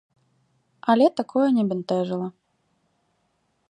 Але такое не бянтэжыла.